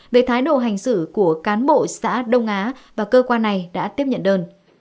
về thái độ hành xử của cán bộ xã đông á và cơ quan này đã tiếp nhận đơn